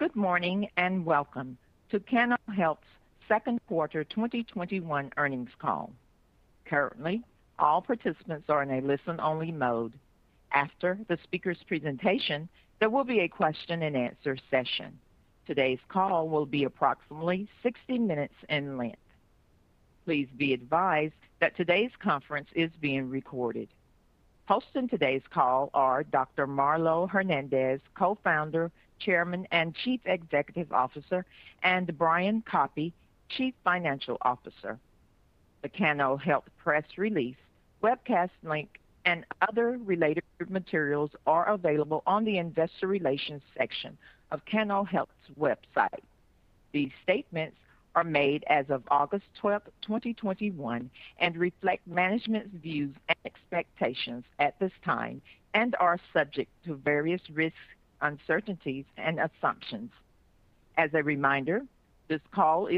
Good morning. Welcome to Cano Health's second quarter 2021 earnings call. Currently, all participants are in a listen-only mode. After the speaker's presentation, there will be a question-and-answer session. Today's call will be approximately 60-minutes in length. Please be advised that today's conference is being recorded. Hosting today's call are Dr. Marlow Hernandez, Co-Founder, Chairman, and Chief Executive Officer, and Brian Koppy, Chief Financial Officer. The Cano Health press release, webcast link, and other related materials are available on the investor relations section of Cano Health's website. These statements are made as of August 12th, 2021 and reflect management's views and expectations at this time and are subject to various risks, uncertainties, and assumptions. As a reminder, this call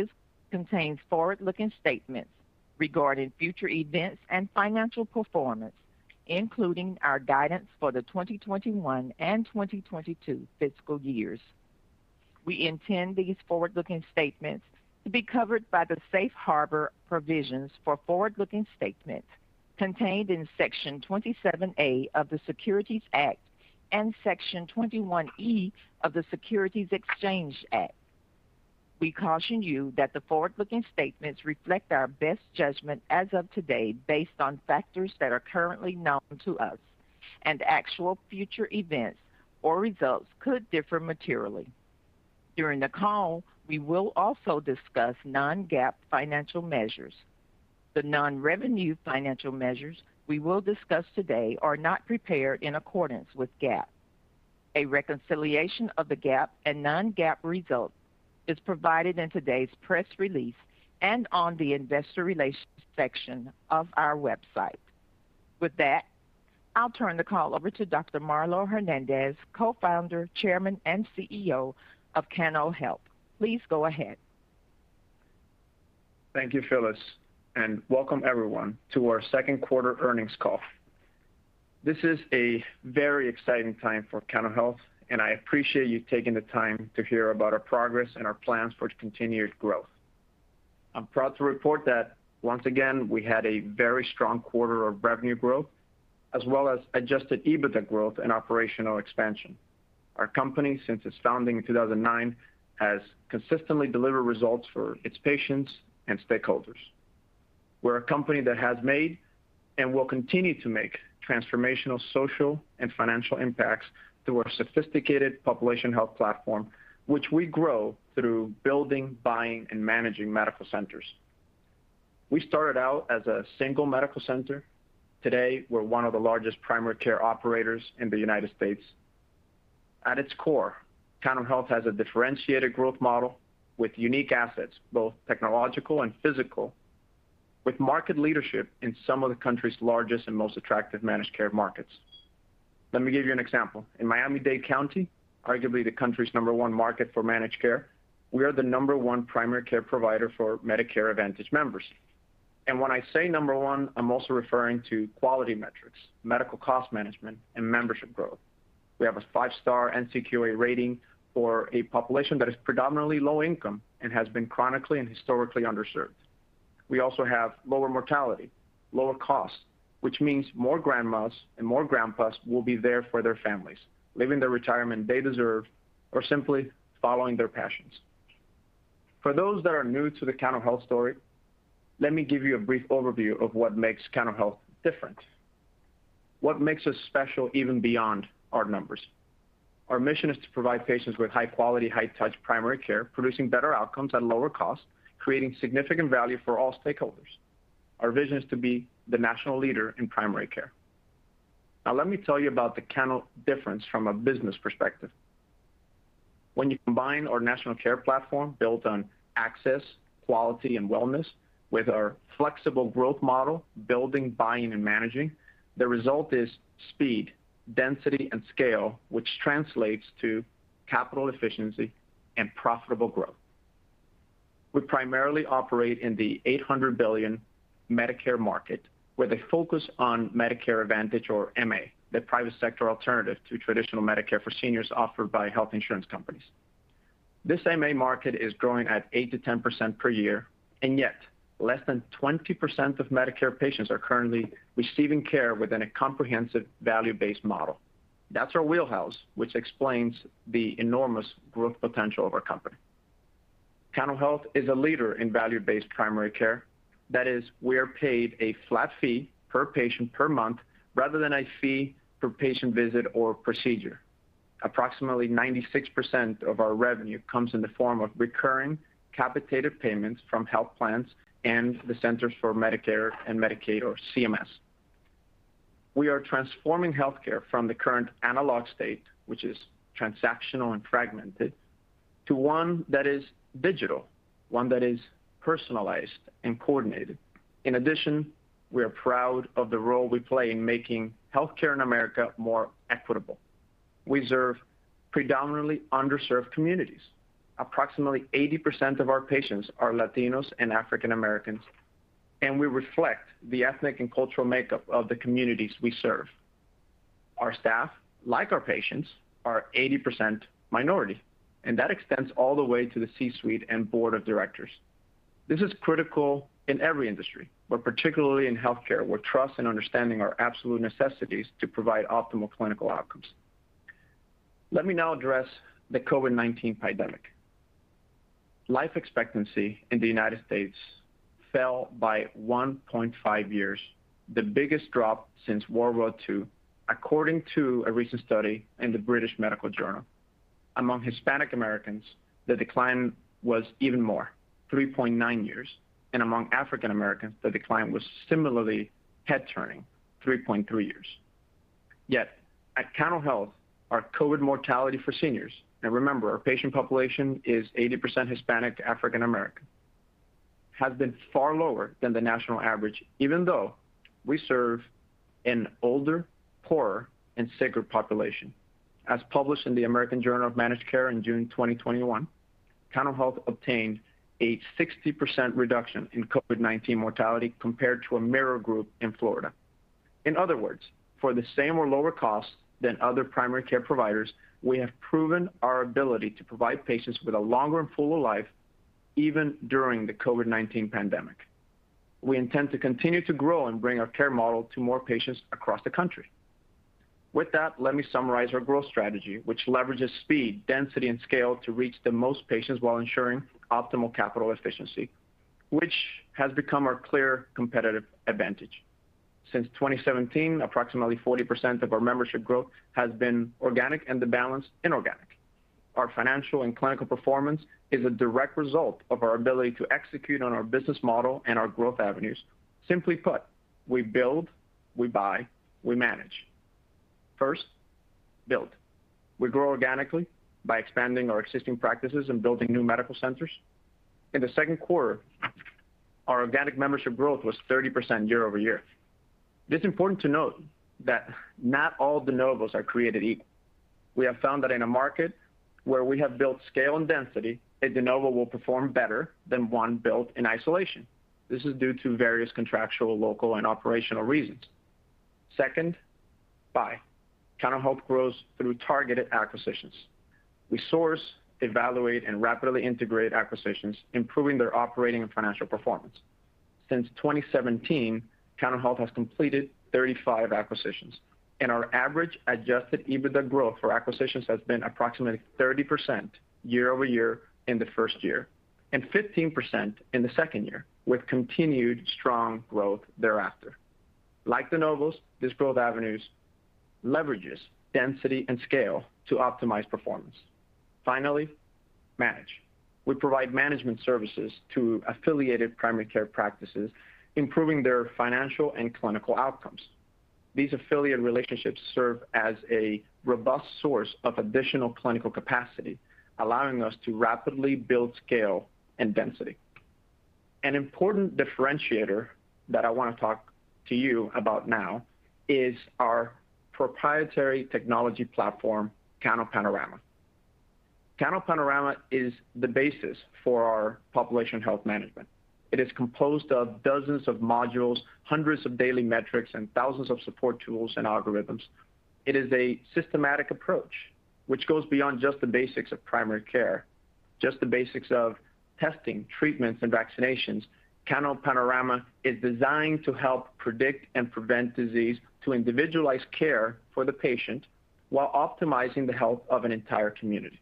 contains forward-looking statements regarding future events and financial performance, including our guidance for the 2021 and 2022 fiscal years. We intend these forward-looking statements to be covered by the safe harbor provisions for forward-looking statements contained in Section 27A of the Securities Act and Section 21E of the Securities Exchange Act. We caution you that the forward-looking statements reflect our best judgment as of today based on factors that are currently known to us, and actual future events or results could differ materially. During the call, we will also discuss non-GAAP financial measures. The non-revenue financial measures we will discuss today are not prepared in accordance with GAAP. A reconciliation of the GAAP and non-GAAP results is provided in today's press release and on the investor relations section of our website. With that, I'll turn the call over to Dr. Marlow Hernandez, Co-founder, Chairman, and CEO of Cano Health. Please go ahead. Thank you, Phyllis, and welcome everyone to our second quarter earnings call. This is a very exciting time for Cano Health, and I appreciate you taking the time to hear about our progress and our plans for continued growth. I'm proud to report that once again, we had a very strong quarter of revenue growth, as well as adjusted EBITDA growth and operational expansion. Our company, since its founding in 2009, has consistently delivered results for its patients and stakeholders. We're a company that has made, and will continue to make, transformational social and financial impacts through our sophisticated population health platform, which we grow through building, buying, and managing medical centers. We started out as a single medical center. Today, we're one of the largest primary care operators in the United States. At its core, Cano Health has a differentiated growth model with unique assets, both technological and physical, with market leadership in some of the country's largest and most attractive managed care markets. Let me give you an example. In Miami-Dade County, arguably the country's number one market for managed care, we are the number one primary care provider for Medicare Advantage members. When I say number one, I'm also referring to quality metrics, medical cost management, and membership growth. We have a five-star NCQA rating for a population that is predominantly low income and has been chronically and historically underserved. We also have lower mortality, lower costs, which means more grandmas and more grandpas will be there for their families, living the retirement they deserve or simply following their passions. For those that are new to the Cano Health story, let me give you a brief overview of what makes Cano Health different, what makes us special even beyond our numbers. Our mission is to provide patients with high-quality, high-touch primary care, producing better outcomes at lower costs, creating significant value for all stakeholders. Our vision is to be the national leader in primary care. Let me tell you about the Cano difference from a business perspective. When you combine our national care platform built on access, quality, and wellness with our flexible growth model, building, buying, and managing, the result is speed, density, and scale, which translates to capital efficiency and profitable growth. We primarily operate in the $800 billion Medicare market, with a focus on Medicare Advantage or MA, the private sector alternative to traditional Medicare for seniors offered by health insurance companies. This MA market is growing at 8%-10% per year, and yet less than 20% of Medicare patients are currently receiving care within a comprehensive value-based model. That's our wheelhouse, which explains the enormous growth potential of our company. Cano Health is a leader in value-based primary care. That is, we are paid a flat fee per patient per month rather than a fee per patient visit or procedure. Approximately 96% of our revenue comes in the form of recurring capitated payments from health plans and the Centers for Medicare & Medicaid or CMS. We are transforming healthcare from the current analog state, which is transactional and fragmented, to one that is digital, one that is personalized and coordinated. In addition, we are proud of the role we play in making healthcare in America more equitable. We serve predominantly underserved communities. Approximately 80% of our patients are Latinos and African Americans. We reflect the ethnic and cultural makeup of the communities we serve. Our staff, like our patients, are 80% minority, and that extends all the way to the C-suite and Board of Directors. This is critical in every industry, but particularly in healthcare, where trust and understanding are absolute necessities to provide optimal clinical outcomes. Let me now address the COVID-19 pandemic. Life expectancy in the United States. fell by 1.5 years, the biggest drop since World War II, according to a recent study in the British Medical Journal. Among Hispanic Americans, the decline was even more, 3.9 years, and among African Americans, the decline was similarly head-turning, 3.3 years. Yet, at Cano Health, our COVID mortality for seniors, now remember, our patient population is 80% Hispanic, African American, has been far lower than the national average, even though we serve an older, poorer, and sicker population. As published in the American Journal of Managed Care in June 2021, Cano Health obtained a 60% reduction in COVID-19 mortality compared to a mirror group in Florida. In other words, for the same or lower cost than other primary care providers, we have proven our ability to provide patients with a longer and fuller life, even during the COVID-19 pandemic. We intend to continue to grow and bring our care model to more patients across the country. With that, let me summarize our growth strategy, which leverages speed, density, and scale to reach the most patients while ensuring optimal capital efficiency, which has become our clear competitive advantage. Since 2017, approximately 40% of our membership growth has been organic and the balance inorganic. Our financial and clinical performance is a direct result of our ability to execute on our business model and our growth avenues. Simply put, we build, we buy, we manage. First, build. We grow organically by expanding our existing practices and building new medical centers. In the second quarter, our organic membership growth was 30% year-over-year. It's important to note that not all de novos are created equal. We have found that in a market where we have built scale and density, a de novo will perform better than one built in isolation. This is due to various contractual, local, and operational reasons. Second, buy. Cano Health grows through targeted acquisitions. We source, evaluate, and rapidly integrate acquisitions, improving their operating and financial performance. Since 2017, Cano Health has completed 35 acquisitions, and our average adjusted EBITDA growth for acquisitions has been approximately 30% year-over-year in the first year and 15% in the second year, with continued strong growth thereafter. Like de novos, this growth avenues leverages density and scale to optimize performance. Finally, manage. We provide management services to affiliated primary care practices, improving their financial and clinical outcomes. These affiliate relationships serve as a robust source of additional clinical capacity, allowing us to rapidly build scale and density. An important differentiator that I want to talk to you about now is our proprietary technology platform, CanoPanorama. CanoPanorama is the basis for our population health management. It is composed of dozens of modules, hundreds of daily metrics, and thousands of support tools and algorithms. It is a systematic approach which goes beyond just the basics of primary care, just the basics of testing, treatments, and vaccinations. CanoPanorama is designed to help predict and prevent disease, to individualize care for the patient while optimizing the health of an entire community.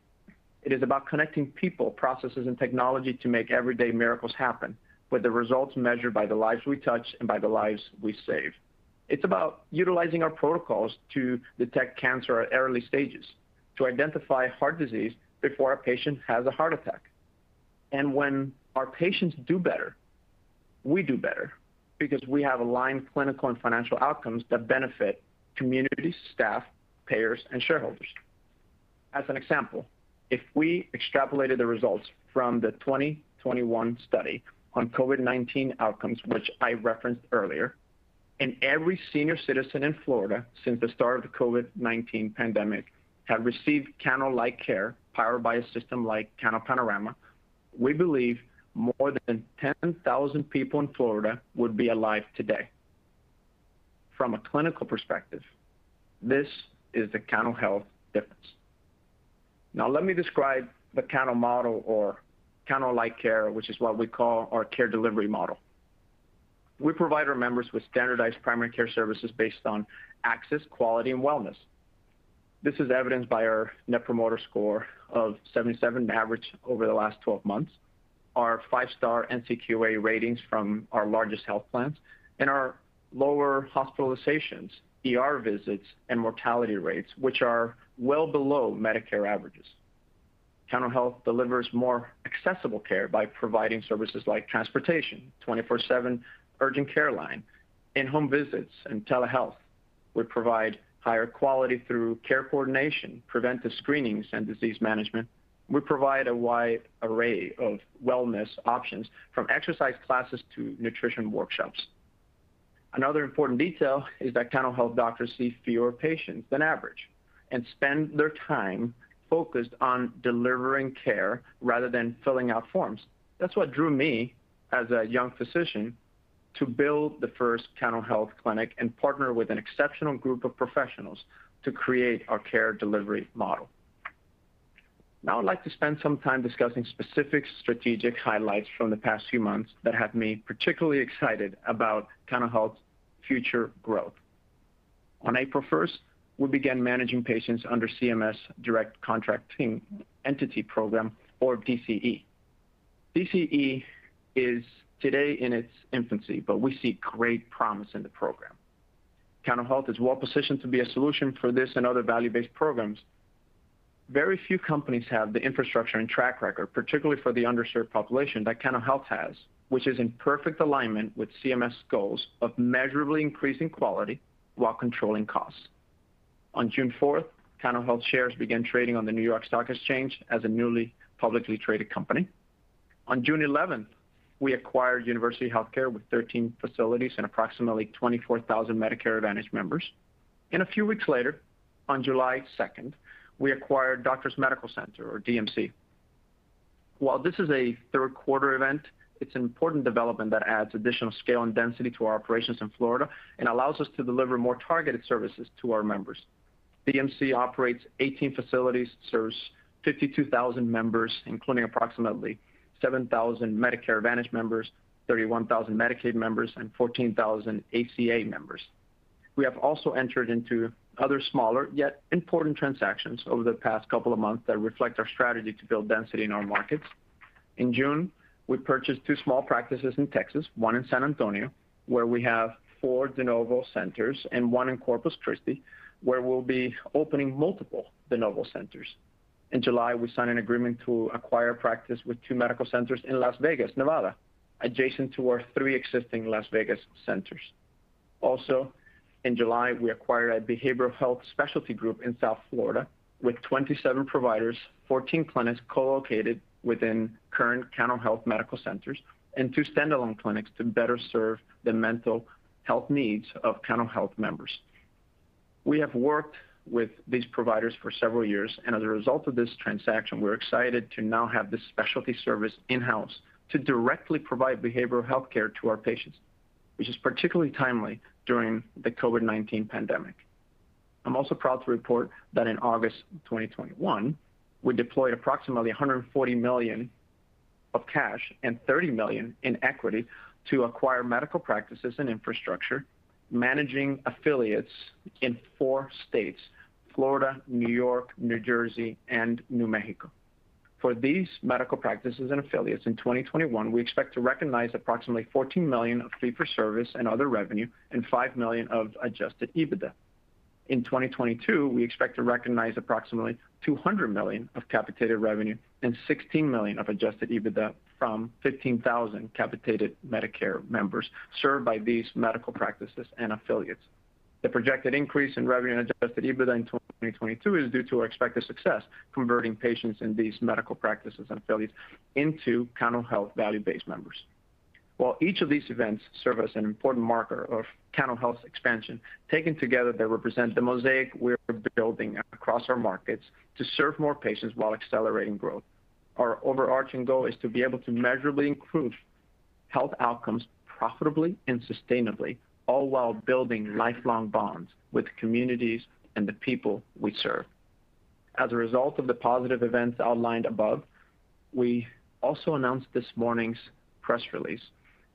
It is about connecting people, processes, and technology to make everyday miracles happen, with the results measured by the lives we touch and by the lives we save. It's about utilizing our protocols to detect cancer at early stages, to identify heart disease before a patient has a heart attack. When our patients do better, we do better, because we have aligned clinical and financial outcomes that benefit communities, staff, payers, and shareholders. As an example, if we extrapolated the results from the 2021 study on COVID-19 outcomes, which I referenced earlier, and every senior citizen in Florida since the start of the COVID-19 pandemic had received Cano-like care, powered by a system like CanoPanorama, we believe more than 10,000 people in Florida would be alive today. From a clinical perspective, this is the Cano Health difference. Now, let me describe the Cano model or Cano-like care, which is what we call our care delivery model. We provide our members with standardized primary care services based on access, quality, and wellness. This is evidenced by our Net Promoter Score of 77 average over the last 12 months, our five-star NCQA ratings from our largest health plans, and our lower hospitalizations, ER visits, and mortality rates, which are well below Medicare averages. Cano Health delivers more accessible care by providing services like transportation, 24/7 urgent care line, in-home visits, and telehealth. We provide higher quality through care coordination, preventive screenings, and disease management. We provide a wide array of wellness options, from exercise classes to nutrition workshops. Another important detail is that Cano Health doctors see fewer patients than average and spend their time focused on delivering care rather than filling out forms. That's what drew me as a young physician to build the first Cano Health clinic and partner with an exceptional group of professionals to create our care delivery model. Now I'd like to spend some time discussing specific strategic highlights from the past few months that have me particularly excited about Cano Health's future growth. On April 1st, we began managing patients under CMS Direct Contracting Entity program, or DCE. DCE is today in its infancy, we see great promise in the program. Cano Health is well-positioned to be a solution for this and other value-based programs. Very few companies have the infrastructure and track record, particularly for the underserved population, that Cano Health has, which is in perfect alignment with CMS goals of measurably increasing quality while controlling costs. On June 4th, Cano Health shares began trading on the New York Stock Exchange as a newly publicly traded company. On June 11th, we acquired University Health Care with 13 facilities and approximately 24,000 Medicare Advantage members. A few weeks later, on July 2nd, we acquired Doctor's Medical Center, or DMC. While this is a third quarter event, it's an important development that adds additional scale and density to our operations in Florida and allows us to deliver more targeted services to our members. DMC operates 18 facilities, serves 52,000 members, including approximately 7,000 Medicare Advantage members, 31,000 Medicaid members, and 14,000 ACA members. We have also entered into other smaller, yet important transactions over the past couple of months that reflect our strategy to build density in our markets. In June, we purchased two small practices in Texas, one in San Antonio, where we have four de novo centers, and one in Corpus Christi, where we'll be opening multiple de novo centers. In July, we signed an agreement to acquire a practice with two medical centers in Las Vegas, Nevada, adjacent to our three existing Las Vegas centers. Also, in July, we acquired a behavioral health specialty group in South Florida with 27 providers, 14 clinics co-located within current Cano Health medical centers, and two standalone clinics to better serve the mental health needs of Cano Health members. We have worked with these providers for several years. As a result of this transaction, we're excited to now have this specialty service in-house to directly provide behavioral healthcare to our patients, which is particularly timely during the COVID-19 pandemic. I'm also proud to report that in August 2021, we deployed approximately $140 million of cash and $30 million in equity to acquire medical practices and infrastructure, managing affiliates in four states, Florida, New York, New Jersey, and New Mexico. For these medical practices and affiliates in 2021, we expect to recognize approximately $14 million of fee for service and other revenue and $5 million of adjusted EBITDA. In 2022, we expect to recognize approximately $200 million of capitated revenue and $16 million of adjusted EBITDA from 15,000 capitated Medicare members served by these medical practices and affiliates. The projected increase in revenue and adjusted EBITDA in 2022 is due to our expected success converting patients in these medical practices and affiliates into Cano Health value-based members. While each of these events serve as an important marker of Cano Health's expansion, taken together, they represent the mosaic we're building across our markets to serve more patients while accelerating growth. Our overarching goal is to be able to measurably improve health outcomes profitably and sustainably, all while building lifelong bonds with the communities and the people we serve. As a result of the positive events outlined above, we also announced this morning's press release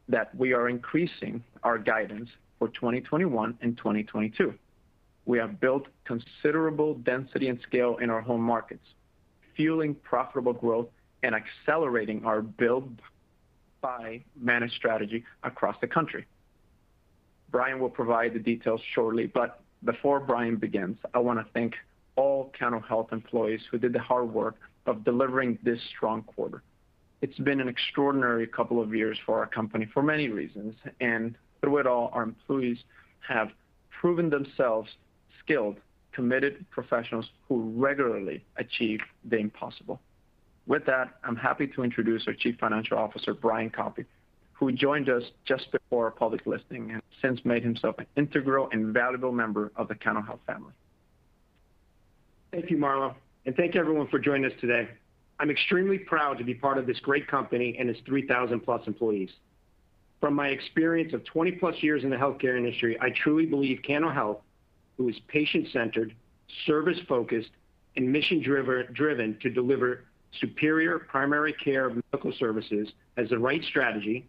that we are increasing our guidance for 2021 and 2022. We have built considerable density and scale in our home markets, fueling profitable growth and accelerating our build-by-manage strategy across the country. Brian will provide the details shortly, but before Brian begins, I want to thank all Cano Health employees who did the hard work of delivering this strong quarter. It's been an extraordinary couple of years for our company for many reasons, and through it all, our employees have proven themselves skilled, committed professionals who regularly achieve the impossible. With that, I'm happy to introduce our Chief Financial Officer, Brian Koppy, who joined us just before our public listing and has since made himself an integral and valuable member of the Cano Health family. Thank you, Marlow, and thank you, everyone, for joining us today. I'm extremely proud to be part of this great company and its 3,000+ employees. From my experience of 20+ years in the healthcare industry, I truly believe Cano Health, who is patient-centered, service-focused, and mission-driven to deliver superior primary care medical services, has the right strategy,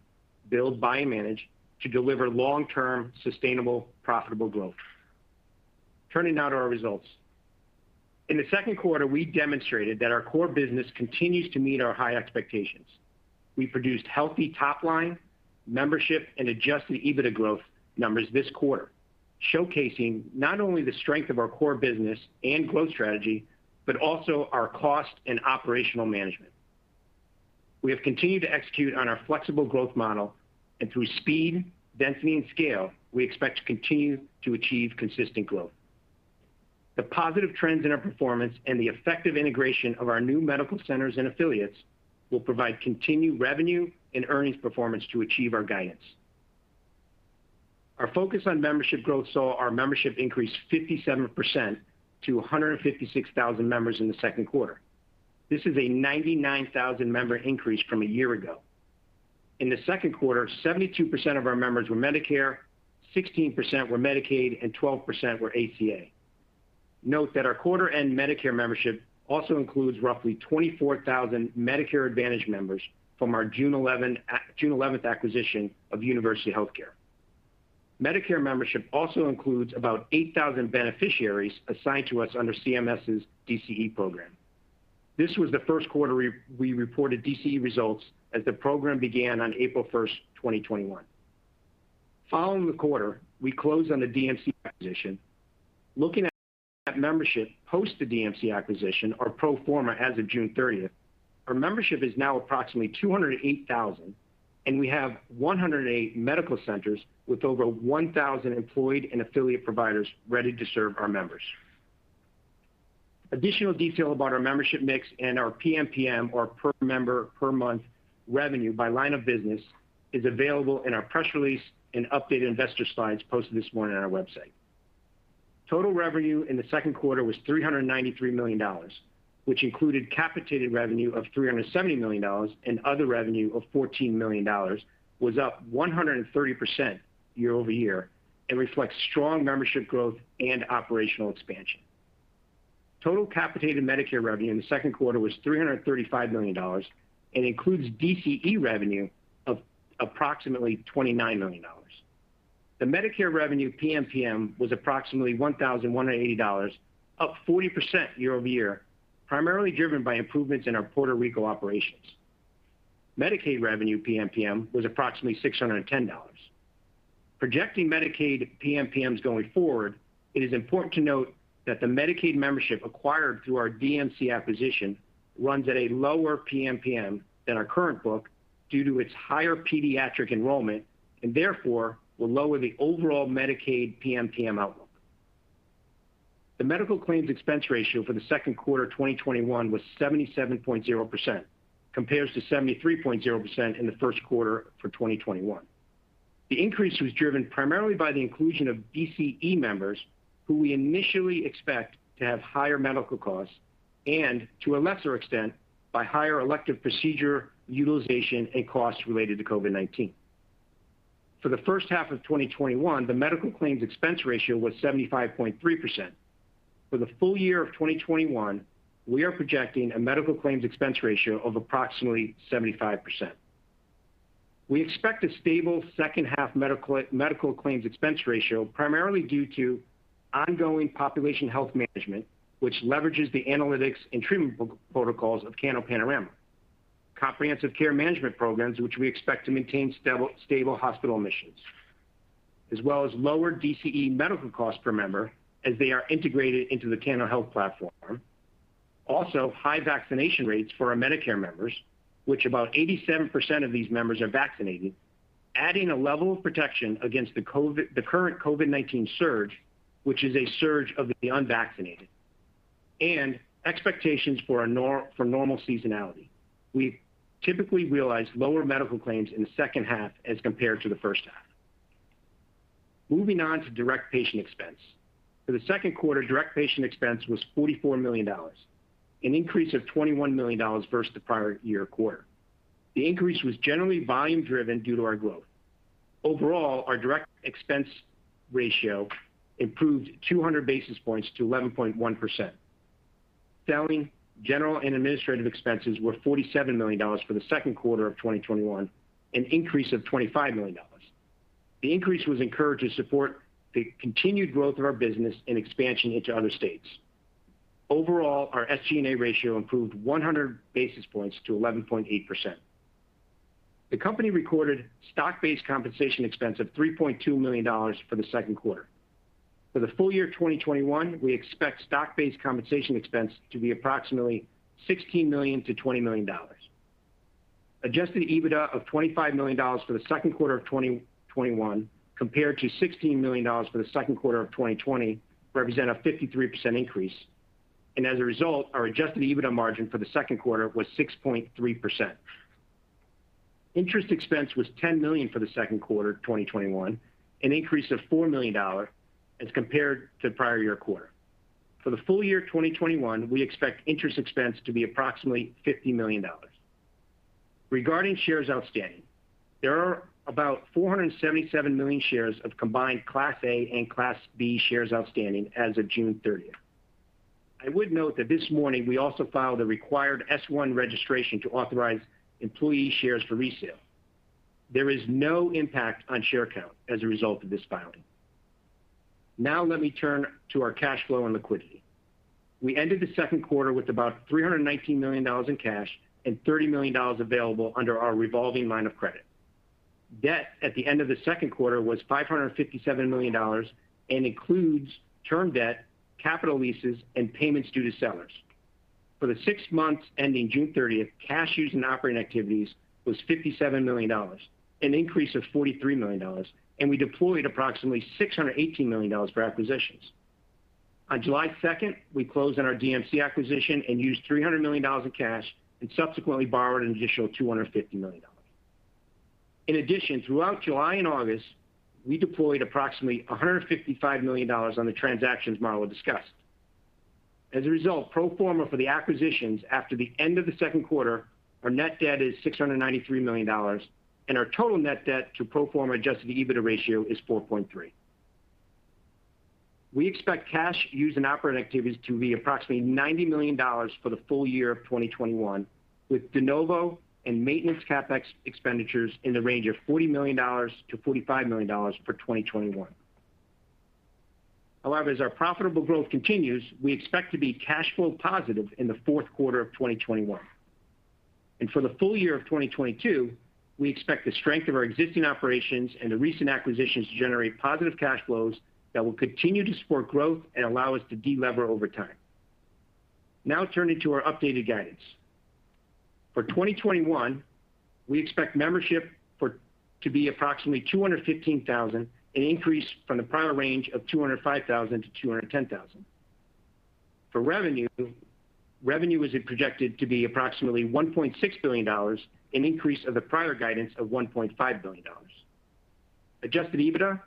build, buy, manage, to deliver long-term, sustainable, profitable growth. Turning now to our results. In the second quarter, we demonstrated that our core business continues to meet our high expectations. We produced healthy top line, membership, and adjusted EBITDA growth numbers this quarter, showcasing not only the strength of our core business and growth strategy, but also our cost and operational management. We have continued to execute on our flexible growth model, and through speed, density, and scale, we expect to continue to achieve consistent growth. The positive trends in our performance and the effective integration of our new medical centers and affiliates will provide continued revenue and earnings performance to achieve our guidance. Our focus on membership growth saw our membership increase 57% to 156,000 members in the second quarter. This is a 99,000-member increase from a year ago. In the second quarter, 72% of our members were Medicare, 16% were Medicaid, and 12% were ACA. Note that our quarter-end Medicare membership also includes roughly 24,000 Medicare Advantage members from our June 11th acquisition of University Health Care. Medicare membership also includes about 8,000 beneficiaries assigned to us under CMS' DCE program. This was the first quarter we reported DCE results, as the program began on April 1st, 2021. Following the quarter, we closed on the DMC acquisition. Looking at membership post the DMC acquisition, our pro forma as of June 30th, our membership is now approximately 208,000, and we have 108 medical centers with over 1,000 employed and affiliate providers ready to serve our members. Additional detail about our membership mix and our PMPM, or per member per month, revenue by line of business is available in our press release and updated investor slides posted this morning on our website. Total revenue in the second quarter was $393 million, which included capitated revenue of $370 million, and other revenue of $14 million, was up 130% year-over-year and reflects strong membership growth and operational expansion. Total capitated Medicare revenue in the second quarter was $335 million and includes DCE revenue of approximately $29 million. The Medicare revenue PMPM was approximately $1,180, up 40% year-over-year, primarily driven by improvements in our Puerto Rico operations. Medicaid revenue PMPM was approximately $610. Projecting Medicaid PMPMs going forward, it is important to note that the Medicaid membership acquired through our DMC acquisition runs at a lower PMPM than our current book due to its higher pediatric enrollment, and therefore will lower the overall Medicaid PMPM outlook. The medical claims expense ratio for the second quarter 2021 was 77.0%, compares to 73.0% in the first quarter for 2021. The increase was driven primarily by the inclusion of DCE members, who we initially expect to have higher medical costs, and, to a lesser extent, by higher elective procedure utilization and costs related to COVID-19. For the first half of 2021, the medical claims expense ratio was 75.3%. For the full year of 2021, we are projecting a medical claims expense ratio of approximately 75%. We expect a stable second half medical claims expense ratio, primarily due to ongoing population health management, which leverages the analytics and treatment protocols of CanoPanorama, comprehensive care management programs, which we expect to maintain stable hospital admissions, as well as lower DCE medical costs per member, as they are integrated into the Cano Health platform. Also, high vaccination rates for our Medicare members, which about 87% of these members are vaccinated, adding a level of protection against the current COVID-19 surge, which is a surge of the unvaccinated, and expectations for normal seasonality. We typically realize lower medical claims in the second half as compared to the first half. Moving on to direct patient expense. For the second quarter, direct patient expense was $44 million, an increase of $21 million versus the prior year quarter. The increase was generally volume driven due to our growth. Overall, our direct expense ratio improved 200 basis points to 11.1%. Selling, general, and administrative expenses were $47 million for the second quarter of 2021, an increase of $25 million. The increase was incurred to support the continued growth of our business and expansion into other states. Overall, our SG&A ratio improved 100 basis points to 11.8%. The company recorded stock-based compensation expense of $3.2 million for the second quarter. For the full year 2021, we expect stock-based compensation expense to be approximately $16 million-$20 million. Adjusted EBITDA of $25 million for the second quarter of 2021, compared to $16 million for the second quarter of 2020, represent a 53% increase. As a result, our adjusted EBITDA margin for the second quarter was 6.3%. Interest expense was $10 million for the second quarter 2021, an increase of $4 million as compared to the prior year quarter. For the full year 2021, we expect interest expense to be approximately $50 million. Regarding shares outstanding, there are about 477 million shares of combined Class A and Class B shares outstanding as of June 30th. I would note that this morning, we also filed a required S-1 registration to authorize employee shares for resale. There is no impact on share count as a result of this filing. Let me turn to our cash flow and liquidity. We ended the second quarter with about $319 million in cash and $30 million available under our revolving line of credit. Debt at the end of the second quarter was $557 million and includes term debt, capital leases, and payments due to sellers. For the six months ending June 30th, cash used in operating activities was $57 million, an increase of $43 million, and we deployed approximately $618 million for acquisitions. On July 2nd, we closed on our DMC acquisition and used $300 million in cash and subsequently borrowed an additional $250 million. In addition, throughout July and August, we deployed approximately $155 million on the transactions Marlow discussed. As a result, pro forma for the acquisitions after the end of the second quarter, our net debt is $693 million, and our total net debt to pro forma adjusted EBITDA ratio is 4.3x. We expect cash used in operating activities to be approximately $90 million for the full year 2021, with de novo and maintenance CapEx expenditures in the range of $40 million-$45 million for 2021. However, as our profitable growth continues, we expect to be cash flow positive in the fourth quarter 2021. For the full year 2022, we expect the strength of our existing operations and the recent acquisitions to generate positive cash flows that will continue to support growth and allow us to de-lever over time. Now turning to our updated guidance. For 2021, we expect membership to be approximately 215,000, an increase from the prior range of 205,000-210,000. For revenue is projected to be approximately $1.6 billion, an increase of the prior guidance of $1.5 billion. Adjusted EBITDA.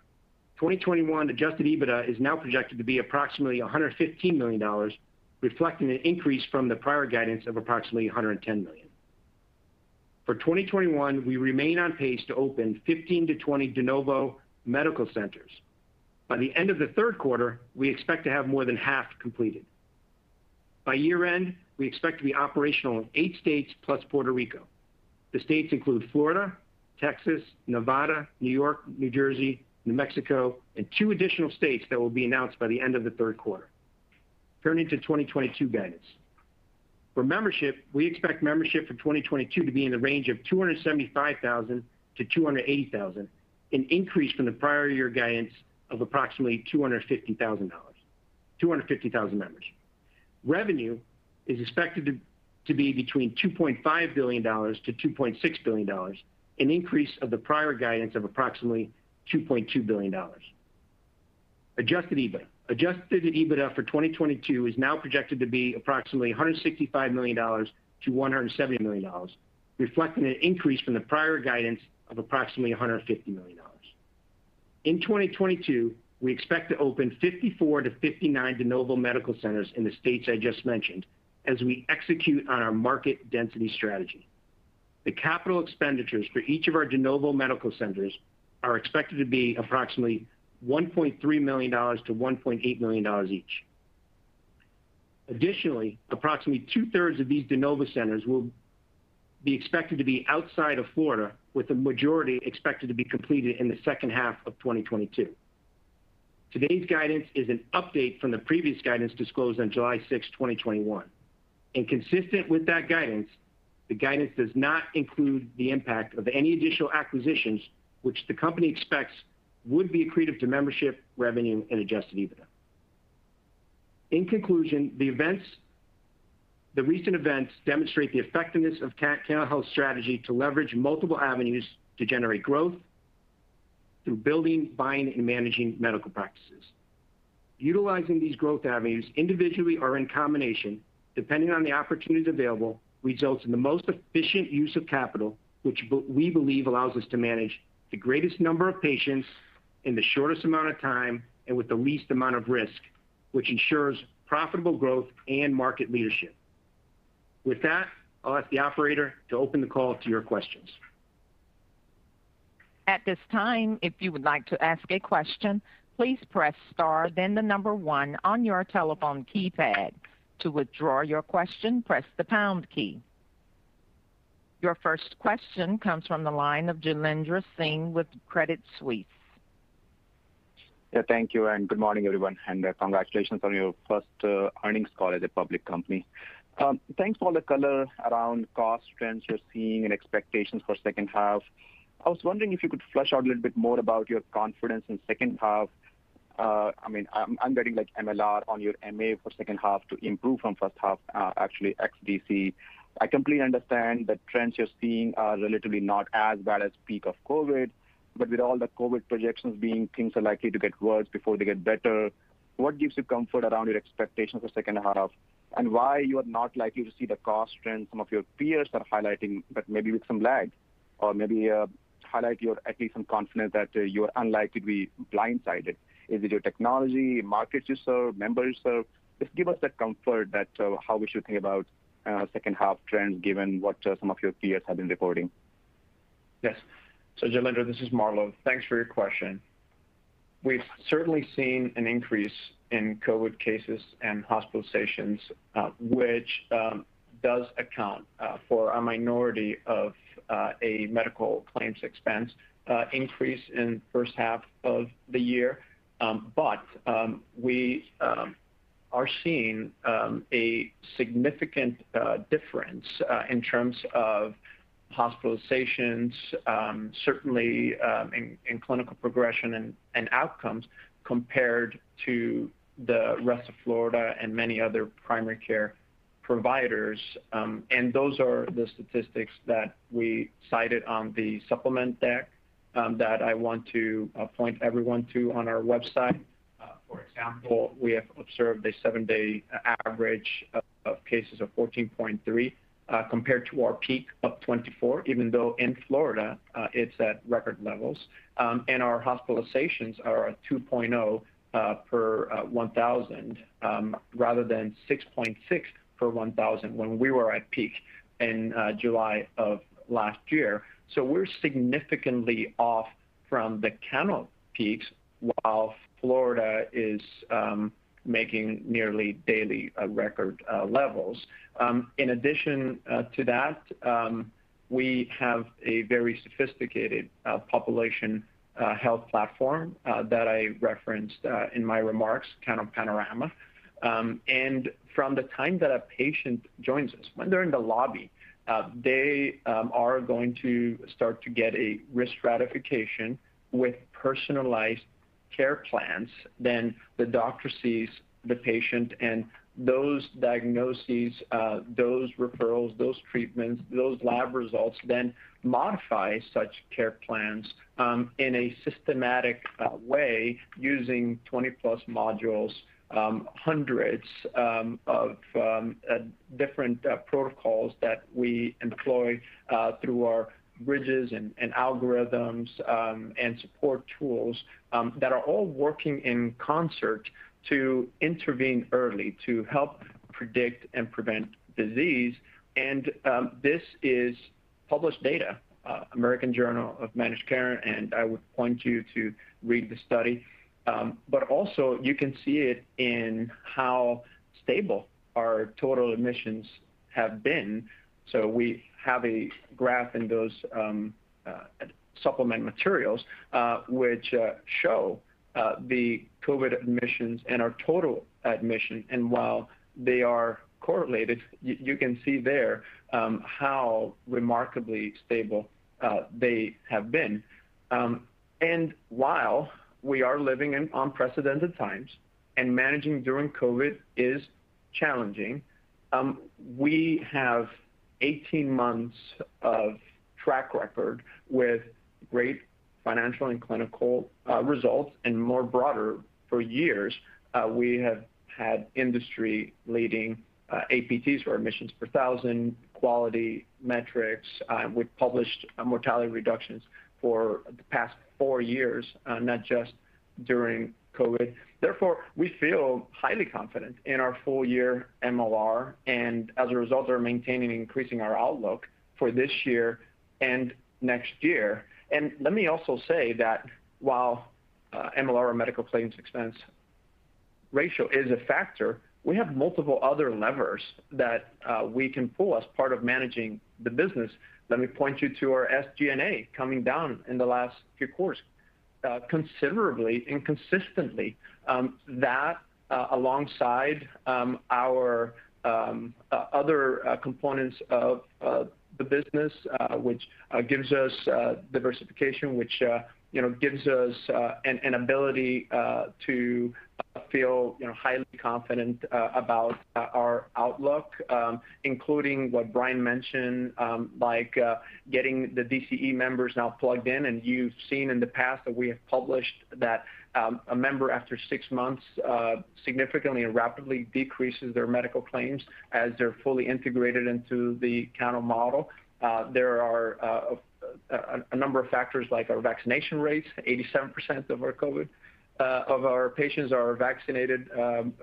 2021 adjusted EBITDA is now projected to be approximately $115 million, reflecting an increase from the prior guidance of approximately $110 million. For 2021, we remain on pace to open 15 to 20 de novo medical centers. By the end of the third quarter, we expect to have more than half completed. By year-end, we expect to be operational in eight states plus Puerto Rico. The states include Florida, Texas, Nevada, New York, New Jersey, New Mexico, and two additional states that will be announced by the end of the third quarter. Turning to 2022 guidance. For membership, we expect membership for 2022 to be in the range of 275,000-280,000, an increase from the prior year guidance of approximately 250,000 members. Revenue is expected to be between $2.5 billion to $2.6 billion, an increase of the prior guidance of approximately $2.2 billion. Adjusted EBITDA. Adjusted EBITDA for 2022 is now projected to be approximately $165 million-$170 million, reflecting an increase from the prior guidance of approximately $150 million. In 2022, we expect to open 54 to 59 de novo medical centers in the states I just mentioned, as we execute on our market density strategy. The capital expenditures for each of our de novo medical centers are expected to be approximately $1.3 million-$1.8 million each. Additionally, approximately two-thirds of these de novo centers will be expected to be outside of Florida, with the majority expected to be completed in the second half of 2022. Today's guidance is an update from the previous guidance disclosed on July 6, 2021. Consistent with that guidance, the guidance does not include the impact of any additional acquisitions which the company expects would be accretive to membership, revenue, and adjusted EBITDA. In conclusion, the recent events demonstrate the effectiveness of Cano Health's strategy to leverage multiple avenues to generate growth through building, buying, and managing medical practices. Utilizing these growth avenues, individually or in combination, depending on the opportunities available, results in the most efficient use of capital, which we believe allows us to manage the greatest number of patients in the shortest amount of time and with the least amount of risk, which ensures profitable growth and market leadership. With that, I'll ask the operator to open the call to your questions. At this time, if you would like to ask a question, please press star then the number one on your telephone keypad. To withdraw your question, press the pound key. Your first question comes from the line of Jailendra Singh with Credit Suisse. Yeah, thank you, good morning, everyone, and congratulations on your first earnings call as a public company. Thanks for all the color around cost trends you're seeing and expectations for second half. I was wondering if you could flesh out a little bit more about your confidence in second half. I'm getting MLR on your MA for second half to improve from first half, actually ex-DCE. I completely understand the trends you're seeing are relatively not as bad as peak of COVID, with all the COVID projections being things are likely to get worse before they get better, what gives you comfort around your expectations for second half? Why you are not likely to see the cost trends some of your peers are highlighting, but maybe with some lag? Maybe highlight your at least some confidence that you are unlikely to be blindsided. Is it your technology, markets you serve, members you serve? Just give us that comfort that how we should think about second half trends, given what some of your peers have been reporting. Yes. Jailendra, this is Marlow. Thanks for your question. We've certainly seen an increase in COVID cases and hospitalizations, which does account for a minority of a medical claims expense increase in first half of the year. We are seeing a significant difference in terms of hospitalizations, certainly in clinical progression and outcomes compared to the rest of Florida and many other primary care providers. Those are the statistics that we cited on the supplement deck that I want to point everyone to on our website. For example, we have observed a seven-day average of cases of 14.3, compared to our peak of 24, even though in Florida, it's at record levels. Our hospitalizations are at 2.0 per 1,000, rather than 6.6 per 1,000 when we were at peak in July of last year. We're significantly off from the Cano peaks, while Florida is making nearly daily record levels. In addition to that, we have a very sophisticated population health platform that I referenced in my remarks, CanoPanorama. From the time that a patient joins us, when they're in the lobby, they are going to start to get a risk stratification with personalized care plans. The doctor sees the patient, and those diagnoses, those referrals, those treatments, those lab results modify such care plans in a systematic way using 20+ modules, hundreds of different protocols that we employ through our bridges and algorithms and support tools that are all working in concert to intervene early to help predict and prevent disease. This is published data, American Journal of Managed Care, and I would point you to read the study. Also, you can see it in how stable our total admissions have been. We have a graph in those supplement materials which show the COVID admissions and our total admissions. While they are correlated, you can see there how remarkably stable they have been. While we are living in unprecedented times, and managing during COVID is challenging, we have 18 months of track record with great financial and clinical results, and more broader, for years. We have had industry-leading APTs or Admissions Per Thousand, quality metrics. We've published mortality reductions for the past four years, not just during COVID. Therefore, we feel highly confident in our full-year MLR, and as a result, are maintaining and increasing our outlook for this year and next year. Let me also say that while MLR or medical claims expense ratio is a factor, we have multiple other levers that we can pull as part of managing the business. Let me point you to our SG&A coming down in the last few quarters considerably and consistently. That, alongside our other components of the business, which gives us diversification, which gives us an ability to feel highly confident about our outlook, including what Brian mentioned, like getting the DCE members now plugged in. You've seen in the past that we have published that a member after six months significantly and rapidly decreases their medical claims as they're fully integrated into the Cano model. There are a number of factors like our vaccination rates. 87% of our patients are vaccinated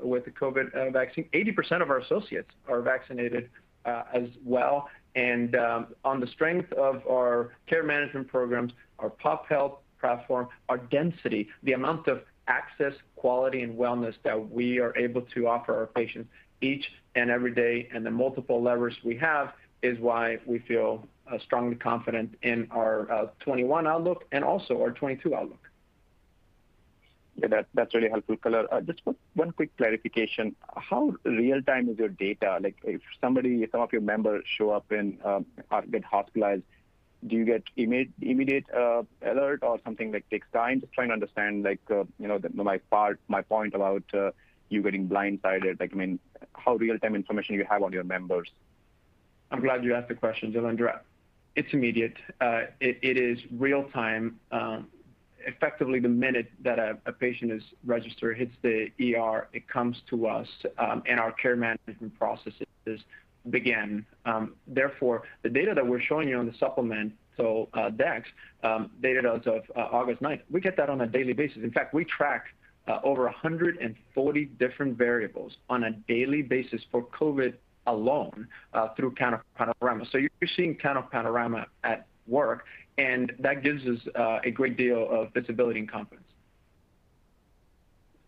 with the COVID vaccine. 80% of our associates are vaccinated as well. On the strength of our care management programs, our pop health platform, our density, the amount of access, quality, and wellness that we are able to offer our patients each and every day, and the multiple levers we have is why we feel strongly confident in our 2021 outlook and also our 2022 outlook. Yeah, that's really helpful, Kahlil. Just one quick clarification. How real-time is your data? If some of your members show up and have been hospitalized, do you get immediate alert or something that takes time? Just trying to understand my point about you getting blindsided. How real-time information you have on your members? I'm glad you asked the question, Jailendra. It's immediate. It is real time. Effectively, the minute that a patient is registered hits the ER, it comes to us, and our care management processes begin. Therefore, the data that we're showing you on the supplement decks, dated as of August 9th, we get that on a daily basis. In fact, we track over 140 different variables on a daily basis for COVID alone through CanoPanorama. So you're seeing CanoPanorama at work, and that gives us a great deal of visibility and confidence.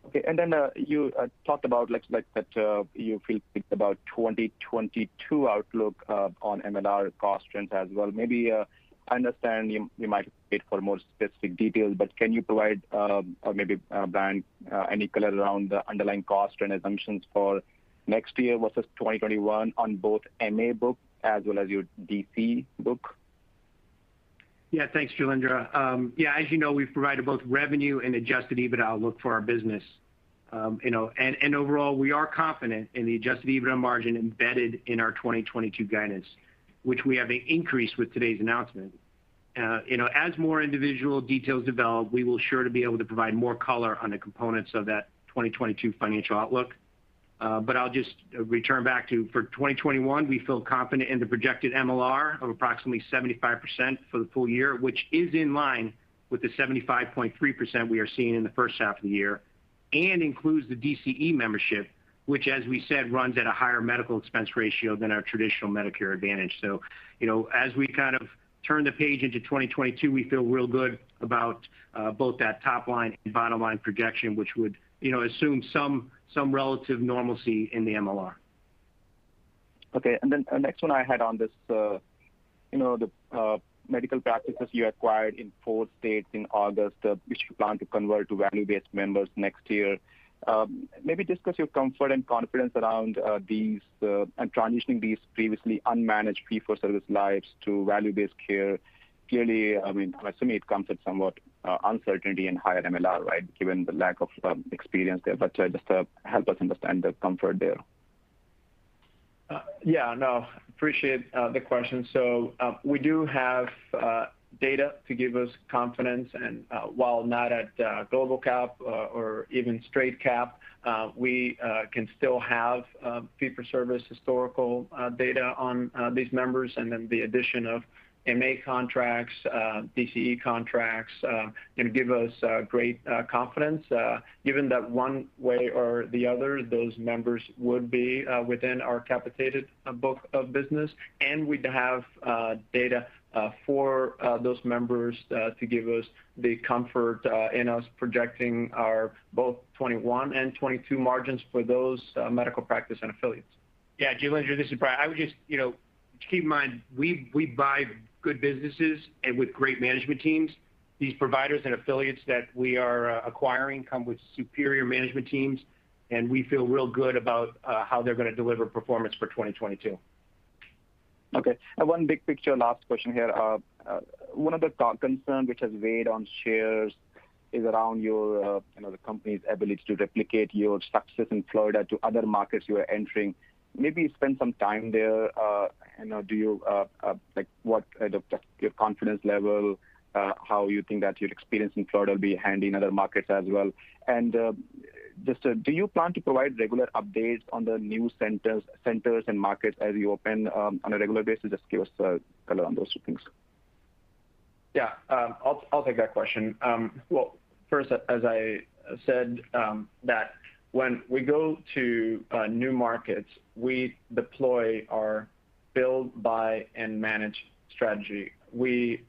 Okay. Then you talked about that you feel good about 2022 outlook on MLR cost trends as well. Maybe I understand you might wait for more specific details, but can you provide maybe a band, any color around the underlying cost and assumptions for next year versus 2021 on both MA book as well as your DCE book? Yeah. Thanks, Jailendra. As you know, we've provided both revenue and adjusted EBITDA outlook for our business. Overall, we are confident in the adjusted EBITDA margin embedded in our 2022 guidance, which we have increased with today's announcement. As more individual details develop, we will sure to be able to provide more color on the components of that 2022 financial outlook. I'll just return back to, for 2021, we feel confident in the projected MLR of approximately 75% for the full year, which is in line with the 75.3% we are seeing in the first half of the year, and includes the DCE membership, which, as we said, runs at a higher medical expense ratio than our traditional Medicare Advantage. As we kind of turn the page into 2022, we feel real good about both that top line and bottom line projection, which would assume some relative normalcy in the MLR. Okay, next one I had on this, the medical practices you acquired in four states in August, which you plan to convert to value-based members next year. Maybe discuss your comfort and confidence around these, and transitioning these previously unmanaged fee-for-service lives to value-based care. Clearly, I am assuming it comes with somewhat uncertainty and higher MLR, right? Given the lack of experience there, just to help us understand the comfort there. Yeah. No, appreciate the question. We do have data to give us confidence, and while not at global cap or even straight cap, we can still have fee-for-service historical data on these members, and then the addition of MA contracts, DCE contracts, give us great confidence. Given that one way or the other, those members would be within our capitated book of business, and we'd have data for those members, to give us the comfort in us projecting our both 2021 and 2022 margins for those medical practice and affiliates. Yeah, Jailendra, this is Brian. Just keep in mind, we buy good businesses and with great management teams. These providers and affiliates that we are acquiring come with superior management teams, and we feel real good about how they're going to deliver performance for 2022. Okay. One big picture, last question here. One of the concern which has weighed on shares is around the company's ability to replicate your success in Florida to other markets you are entering. Maybe spend some time there. What kind of your confidence level, how you think that your experience in Florida will be handy in other markets as well, and just do you plan to provide regular updates on the new centers and markets as you open on a regular basis? Just give us color on those two things. Yeah. I'll take that question. Well, first, as I said, that when we go to new markets, we deploy our build, buy, and manage strategy. We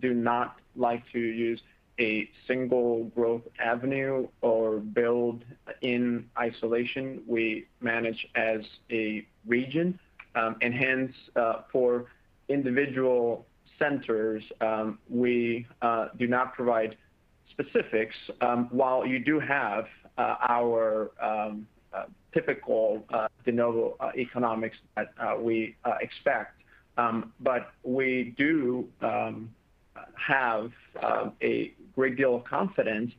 do not like to use a single growth avenue or build in isolation. We manage as a region. Hence, for individual centers, we do not provide specifics, while you do have our typical de novo economics that we expect. We do have a great deal of confidence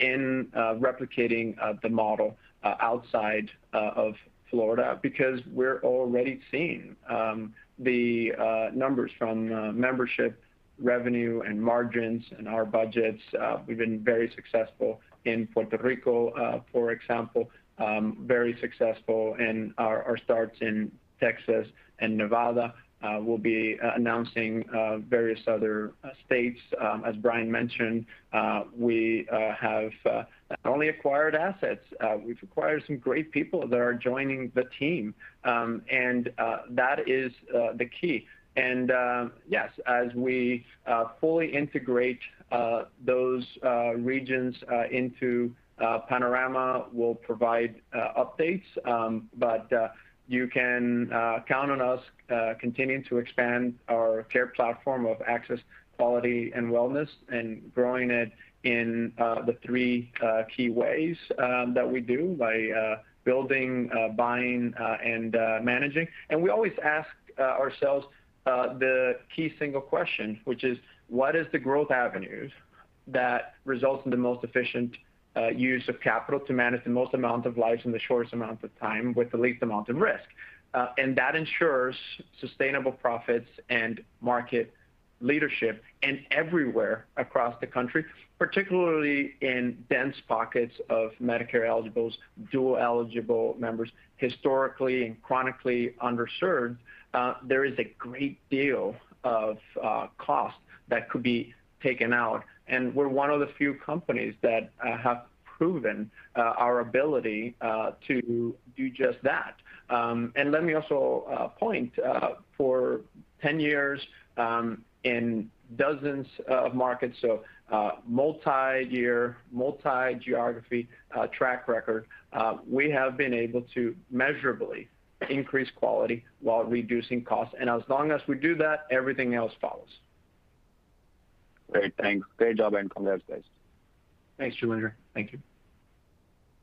in replicating the model outside of Florida, because we're already seeing the numbers from membership, revenue, and margins in our budgets. We've been very successful in Puerto Rico, for example. Very successful in our starts in Texas and Nevada. We'll be announcing various other states. As Brian mentioned, we have not only acquired assets, we've acquired some great people that are joining the team, and that is the key. Yes, as we fully integrate those regions into Panorama, we'll provide updates. You can count on us continuing to expand our care platform of access, quality, and wellness, and growing it in the three key ways that we do, by building, buying, and managing. We always ask ourselves the key single question, which is, what is the growth avenues that results in the most efficient use of capital to manage the most amount of lives in the shortest amount of time with the least amount of risk? That ensures sustainable profits and market leadership. Everywhere across the country, particularly in dense pockets of Medicare eligibles, dual-eligible members, historically and chronically underserved, there is a great deal of cost that could be taken out, and we're one of the few companies that have proven our ability to do just that. Let me also point, for 10 years, in dozens of markets, so a multi-year, multi-geography track record, we have been able to measurably increase quality while reducing cost. As long as we do that, everything else follows. Great, thanks. Great job and congrats, guys. Thanks, Jailendra. Thank you.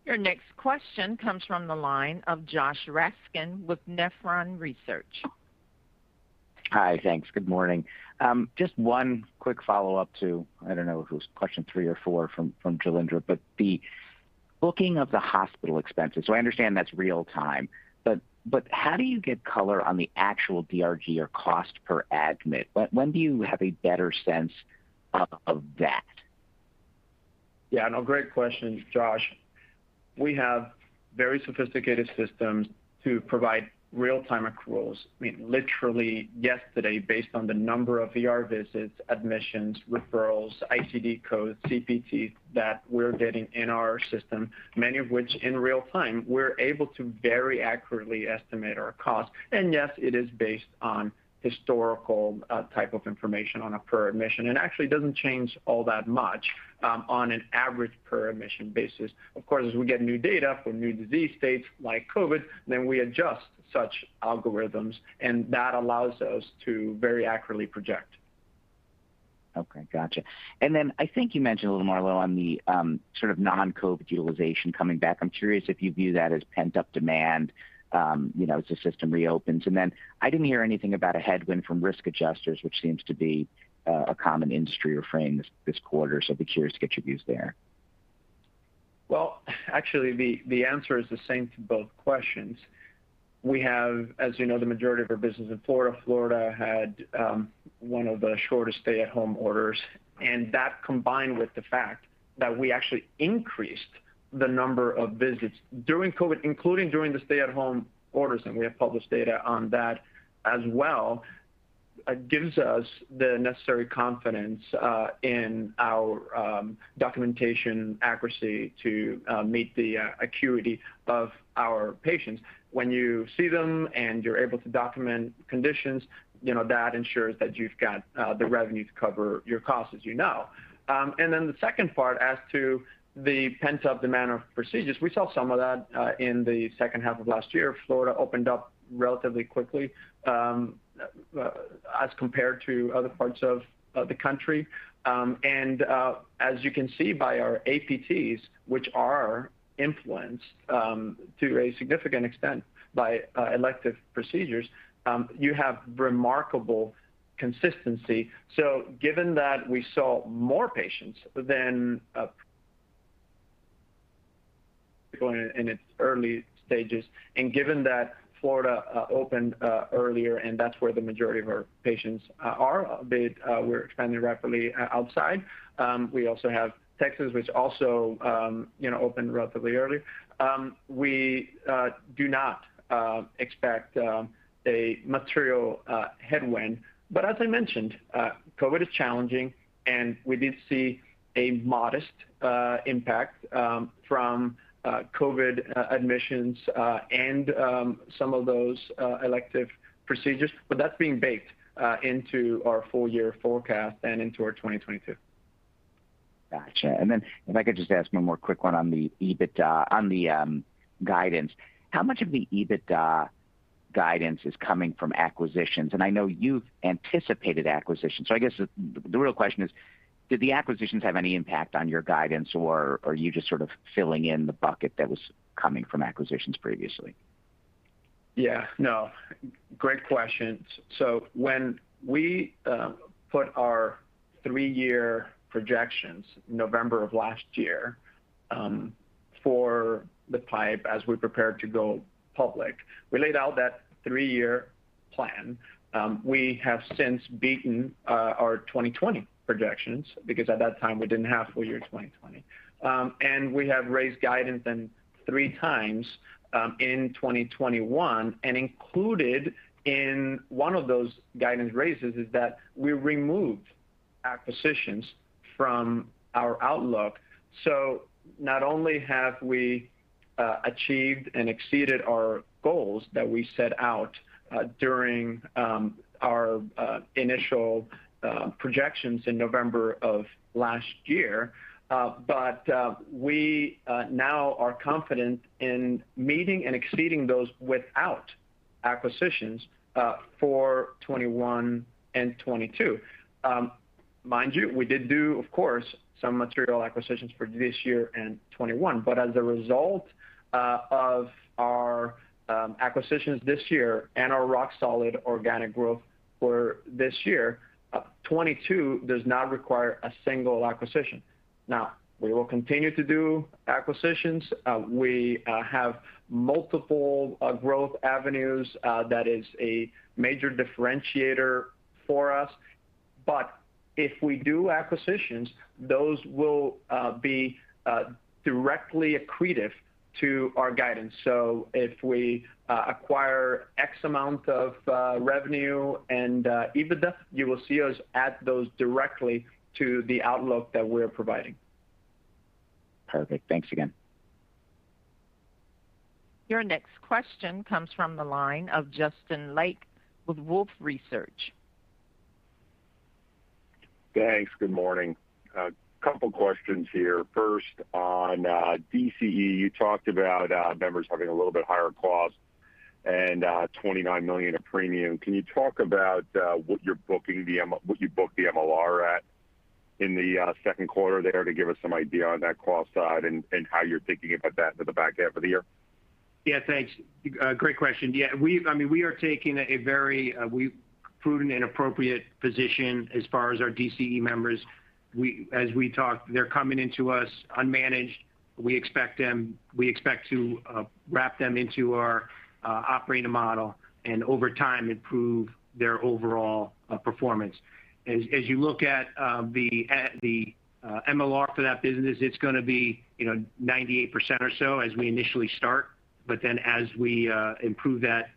Your next question comes from the line of Josh Raskin with Nephron Research. Hi, thanks. Good morning. One quick follow-up to, I don't know if it was question three or four from Jailendra, but the booking of the hospital expenses. I understand that's real time, but how do you get color on the actual DRG or cost per admit? When do you have a better sense of that? Yeah, no, great question, Josh. We have very sophisticated systems to provide real-time accruals. Literally yesterday, based on the number of ER visits, admissions, referrals, ICD codes, CPTs that we're getting in our system, many of which in real time, we're able to very accurately estimate our cost. Yes, it is based on historical type of information on a per admission. It actually doesn't change all that much on an average per admission basis. Of course, as we get new data for new disease states like COVID, then we adjust such algorithms, and that allows us to very accurately project. Okay, got you. I think you mentioned a little Marlow on the sort of non-COVID utilization coming back. I'm curious if you view that as pent-up demand, as the system reopens. I didn't hear anything about a headwind from risk adjusters, which seems to be a common industry refrain this quarter. I'd be curious to get your views there. Well, actually, the answer is the same to both questions. We have, as you know, the majority of our business in Florida. Florida had one of the shortest stay-at-home orders, and that combined with the fact that we actually increased the number of visits during COVID, including during the stay-at-home orders, and we have published data on that as well, gives us the necessary confidence in our documentation accuracy to meet the acuity of our patients. When you see them and you're able to document conditions, that ensures that you've got the revenue to cover your costs, as you know. The second part, as to the pent-up demand of procedures, we saw some of that in the second half of last year. Florida opened up relatively quickly as compared to other parts of the country. As you can see by our APTs, which are influenced to a significant extent by elective procedures, you have remarkable consistency. Given that we saw more patients than going in its early stages, and given that Florida opened earlier, and that's where the majority of our patients are, albeit we're expanding rapidly outside. We also have Texas, which also opened relatively early. We do not expect a material headwind. As I mentioned, COVID is challenging, and we did see a modest impact from COVID admissions and some of those elective procedures. That's being baked into our full year forecast and into our 2022. Got you. If I could just ask one more quick one on the guidance. How much of the EBITDA guidance is coming from acquisitions? I know you've anticipated acquisitions, I guess the real question is, did the acquisitions have any impact on your guidance? Or are you just sort of filling in the bucket that was coming from acquisitions previously? Yeah, no. Great questions. When we put our three-year projections November of last year for the PIPE as we prepared to go public, we laid out that three-year plan. We have since beaten our 2020 projections because at that time, we didn't have full year 2020. We have raised guidance 3x in 2021, and included in one of those guidance raises is that we removed acquisitions from our outlook. Not only have we achieved and exceeded our goals that we set out during our initial projections in November of last year, but we now are confident in meeting and exceeding those without acquisitions for 2021 and 2022. Mind you, we did do, of course, some material acquisitions for this year and 2021. As a result of our acquisitions this year and our rock-solid organic growth for this year, 2022 does not require a single acquisition. We will continue to do acquisitions. We have multiple growth avenues. That is a major differentiator for us. If we do acquisitions, those will be directly accretive to our guidance. If we acquire X amount of revenue and EBITDA, you will see us add those directly to the outlook that we're providing. Perfect. Thanks again. Your next question comes from the line of Justin Lake with Wolfe Research. Thanks. Good morning. A couple of questions here. First, on DCE, you talked about members having a little bit higher costs and $29 million of premium. Can you talk about what you booked the MLR at in the second quarter there to give us some idea on that cost side and how you're thinking about that for the back half of the year? Yeah, thanks. Great question. We are taking a very prudent and appropriate position as far as our DCE members. As we talked, they're coming into us unmanaged. We expect to wrap them into our operating model and over time improve their overall performance. As you look at the MLR for that business, it's going to be 98% or so as we initially start, but then as we improve that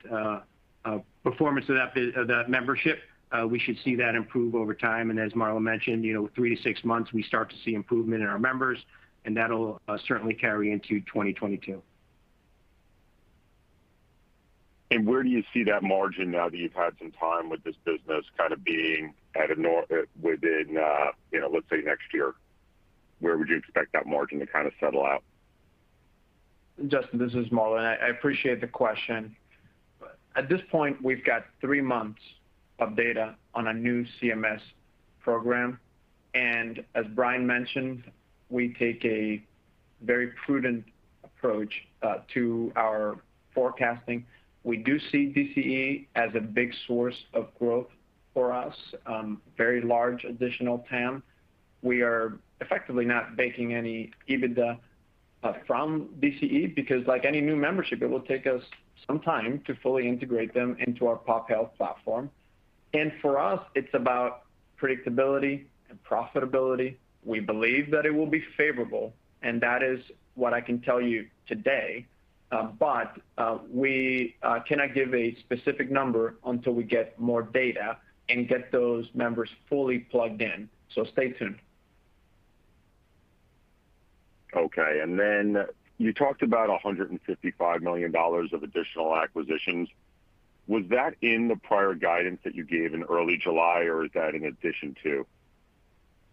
performance of that membership, we should see that improve over time. As Marlow mentioned, three to six months, we start to see improvement in our members, and that'll certainly carry into 2022. Where do you see that margin now that you've had some time with this business kind of being at a, within, let's say next year? Where would you expect that margin to kind of settle out? Justin, this is Marlow. I appreciate the question. At this point, we've got three months of data on a new CMS program. As Brian mentioned, we take a very prudent approach to our forecasting. We do see DCE as a big source of growth for us. Very large additional TAM. We are effectively not baking any EBITDA from DCE because like any new membership, it will take us some time to fully integrate them into our pop health platform. For us, it's about predictability and profitability. We believe that it will be favorable. That is what I can tell you today. We cannot give a specific number until we get more data and get those members fully plugged in. Stay tuned. Okay. Then you talked about $155 million of additional acquisitions. Was that in the prior guidance that you gave in early July, or is that in addition to?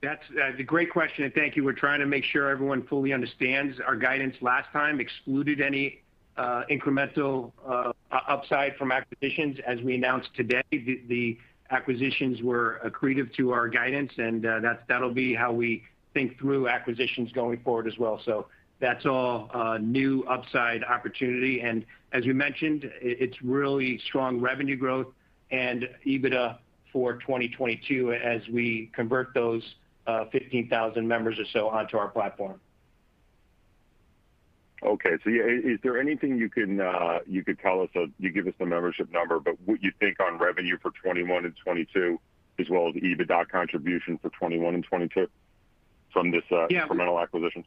That's a great question, and thank you. We're trying to make sure everyone fully understands our guidance last time excluded any incremental upside from acquisitions. As we announced today, the acquisitions were accretive to our guidance, and that'll be how we think through acquisitions going forward as well. That's all a new upside opportunity. As you mentioned, it's really strong revenue growth and EBITDA for 2022 as we convert those 15,000 members or so onto our platform. Is there anything you could tell us, you give us the membership number, but what you think on revenue for 2021 and 2022, as well as EBITDA contribution for 2021 and 2022 from this— Yeah. —incremental acquisition?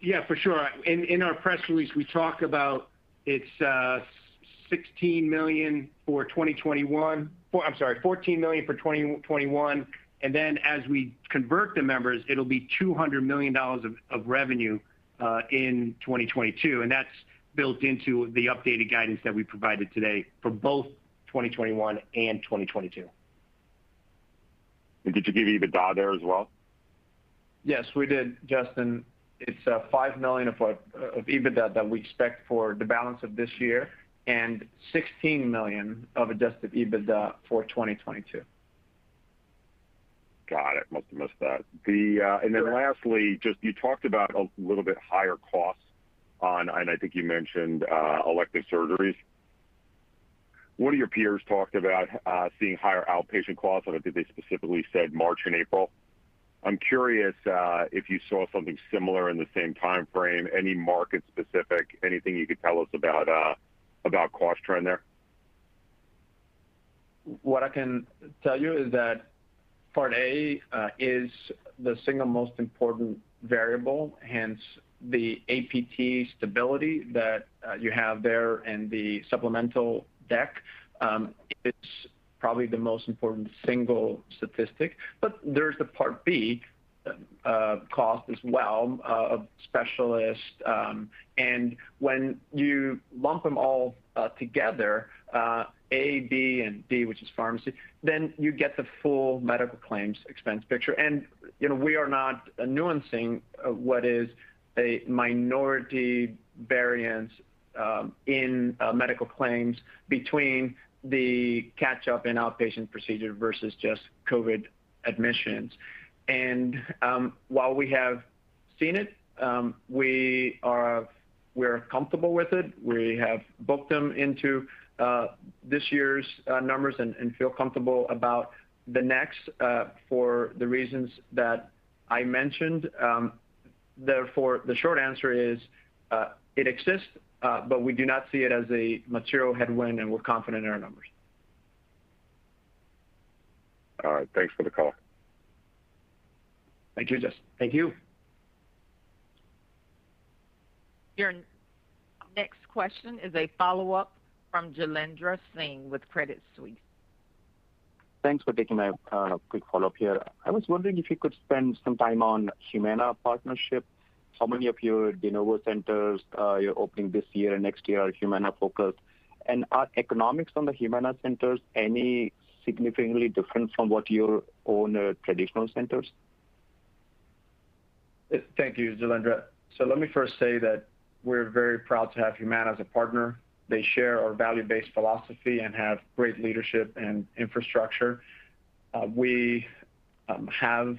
Yeah, for sure. In our press release, we talk about it's $16 million for 2021. I'm sorry, $14 million for 2021. Then as we convert the members, it'll be $200 million of revenue in 2022, and that's built into the updated guidance that we provided today for both 2021 and 2022. Did you give EBITDA there as well? Yes, we did, Justin. It's $5 million of EBITDA that we expect for the balance of this year and $16 million of adjusted EBITDA for 2022. Got it. Must've missed that. Sure. Lastly, just you talked about a little bit higher costs on, I think you mentioned elective surgeries. One of your peers talked about seeing higher outpatient costs, I think they specifically said March and April. I'm curious if you saw something similar in the same timeframe, any market specific, anything you could tell us about cost trend there? What I can tell you is that Part A is the single most important variable, hence the APT stability that you have there and the supplemental deck. It's probably the most important single statistic. There's the Part B, cost as well, of specialists. When you lump them all together, A, B, and D, which is pharmacy, then you get the full medical claims expense picture. We are not nuancing what is a minority variance in medical claims between the catch-up in outpatient procedure versus just COVID admissions. While we have seen it, we're comfortable with it. We have booked them into this year's numbers and feel comfortable about the next, for the reasons that I mentioned. Therefore, the short answer is, it exists, but we do not see it as a material headwind, and we're confident in our numbers. All right. Thanks for the call. Thank you, Justin. Thank you. Your next question is a follow-up from Jailendra Singh with Credit Suisse. Thanks for taking my quick follow-up here. I was wondering if you could spend some time on Humana partnership, how many of your de novo centers you're opening this year and next year are Humana-focused, and are economics on the Humana centers any significantly different from what your own traditional centers? Thank you, Jailendra. Let me first say that we're very proud to have Humana as a partner. They share our value-based philosophy and have great leadership and infrastructure. We have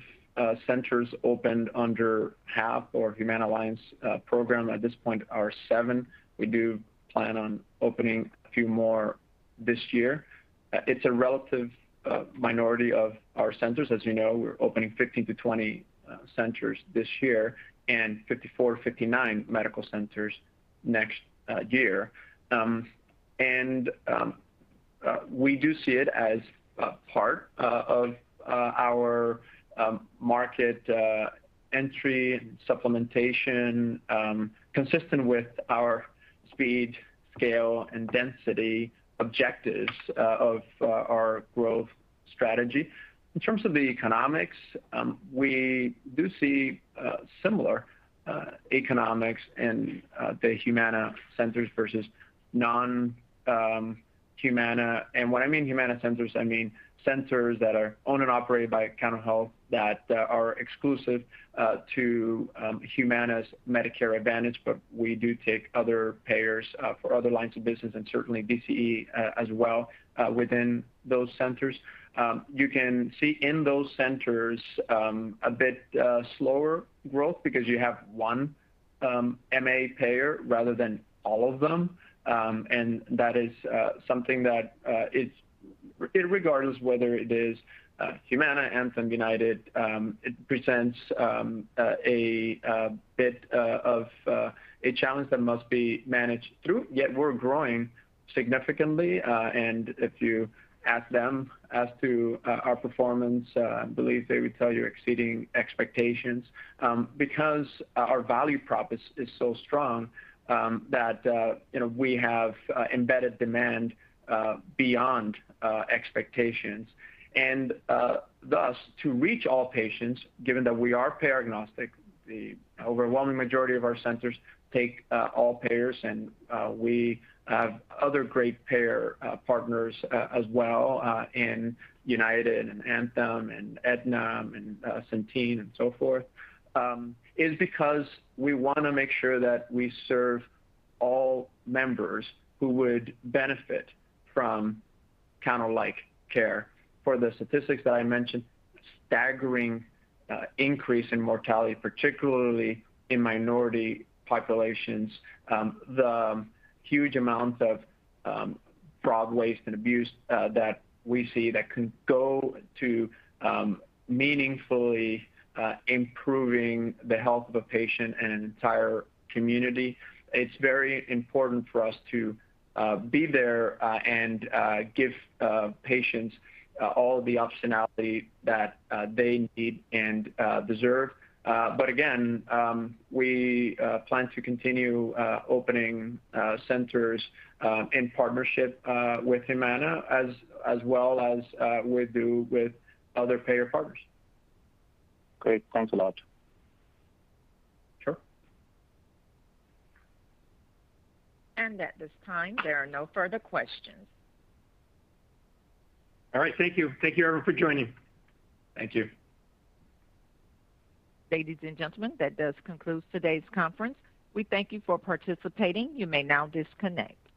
centers opened under HAP or Humana Alliance Program at this point are seven. We do plan on opening a few more this year. It's a relative minority of our centers. As you know, we're opening 15 to 20 centers this year and 54 to 59 medical centers next year. We do see it as a part of our market entry and supplementation, consistent with our speed, scale, and density objectives of our growth strategy. In terms of the economics, we do see similar economics in the Humana centers versus non-Humana. When I mean Humana centers, I mean centers that are owned and operated by Cano Health that are exclusive to Humana's Medicare Advantage, but we do take other payers for other lines of business and certainly DCE as well within those centers. You can see in those centers a bit slower growth because you have one MA payer rather than all of them. That is something that, regardless whether it is Humana, Anthem, United, it presents a bit of a challenge that must be managed through. We're growing significantly, and if you ask them as to our performance, I believe they would tell you exceeding expectations. Our value prop is so strong that we have embedded demand beyond expectations. Thus, to reach all patients, given that we are payer agnostic, the overwhelming majority of our centers take all payers, and we have other great payer partners as well in United and Anthem and Aetna and Centene and so forth, is because we want to make sure that we serve all members who would benefit from Cano-like care. For the statistics that I mentioned, staggering increase in mortality, particularly in minority populations. The huge amount of fraud, waste, and abuse that we see that can go to meaningfully improving the health of a patient and an entire community. It's very important for us to be there and give patients all the optionality that they need and deserve. Again, we plan to continue opening centers in partnership with Humana as well as we do with other payer partners. Great. Thanks a lot. Sure. At this time, there are no further questions. All right. Thank you. Thank you, everyone, for joining. Thank you. Ladies and gentlemen, that does conclude today's conference. We thank you for participating. You may now disconnect.